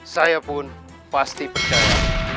saya pun pasti percaya